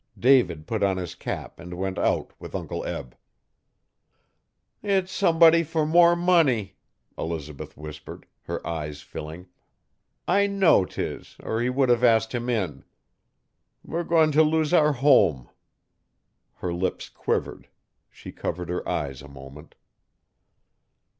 David put on his cap and went out with Uncle Eb. 'It's somebody for more money,' Elizabeth whispered, her eyes filling. 'I know 'tis, or he would have asked him in. We're goin't lose our home. Her lips quivered; she covered her eyes a moment.